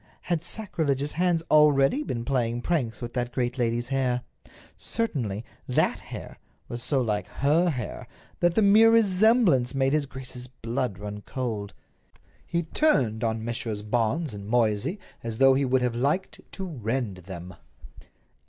Had sacrilegious hands already been playing pranks with that great lady's hair? Certainly, that hair was so like her hair that the mere resemblance made his grace's blood run cold. He turned on Messrs. Barnes and Moysey as though he would have liked to rend them.